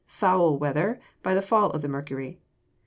Foul weather by the fall of the mercury.